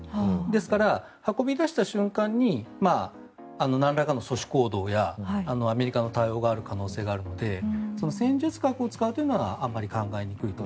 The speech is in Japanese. ですから、運び出した瞬間になんらかの阻止行動やアメリカの対応がある可能性があるので戦術核を使うというのはあまり考えにくいと。